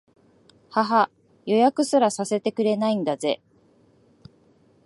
ははっ、予約すらさせてくれないんだぜ